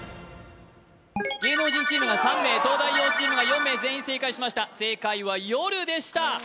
芸能人チームが３名東大王チームが４名全員正解しました正解は「夜」でした